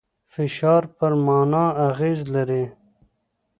فشار پر مانا اغېز لري.